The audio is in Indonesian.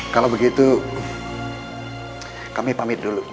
kalau begitu kami pamit dulu